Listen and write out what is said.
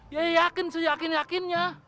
ya yakin sih yakin yakinnya